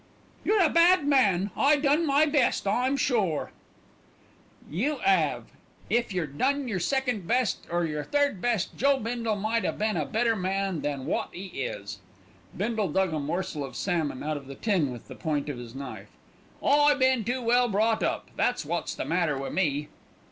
"You're a bad man. I done my best, I'm sure " "You 'ave; if yer'd done yer second best or yer third best, Joe Bindle might 'a been a better man than wot 'e is." Bindle dug a morsel of salmon out of the tin with the point of his knife. "I been too well brought up, that's wot's the matter wi' me."